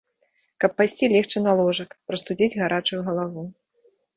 Каб пайсці легчы на ложак, прастудзіць гарачую галаву.